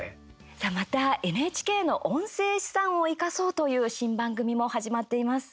さあ、またＮＨＫの音声資産を生かそうという新番組も始まっています。